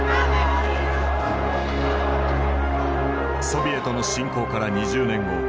ソビエトの侵攻から２０年後。